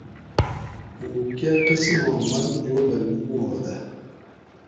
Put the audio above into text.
ھوں کہ قسیماں مرگ جوبل مُو ہودہ